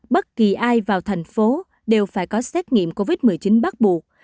bất kỳ ai vào thành phố đều phải có xét nghiệm covid một mươi chín bắt buộc